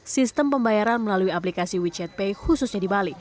sistem pembayaran melalui aplikasi wechat pay khususnya di bali